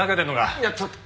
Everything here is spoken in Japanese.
いやちょっと。